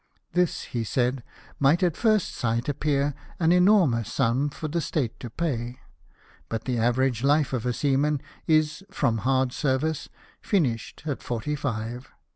" This," he said, " might, at first sight, appear an enormous sum for the State to pay ; but the average life of a seaman is, from hard service, finished at forty five.